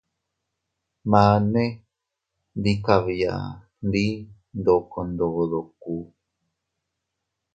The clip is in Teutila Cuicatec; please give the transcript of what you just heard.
Mane ndi kabia gndi ndoko ndodoko.